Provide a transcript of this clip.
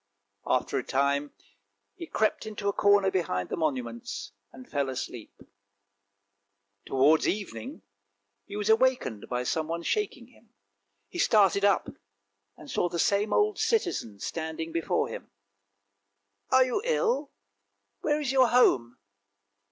After a time he crept into a corner behind the monuments and fell asleep. Towards evening he was awakened by someone shaking him. He started up, and saw the same old citizen standing before him. " Are you ill? Where is your home?